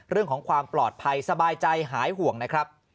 เรื่องของความปลอดภัยสบายใจหายห่วงนะครับ